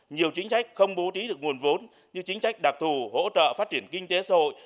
nhiều chính sách không bố trí được nguồn vốn như chính trách đặc thù hỗ trợ phát triển kinh tế xã hội